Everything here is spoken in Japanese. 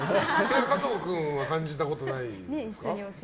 加藤君は感じたことないですか。